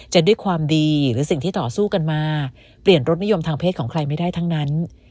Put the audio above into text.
ด้วยความดีหรือสิ่งที่ต่อสู้กันมาเปลี่ยนรสนิยมทางเพศของใครไม่ได้ทั้งนั้น